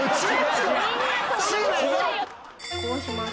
こうします。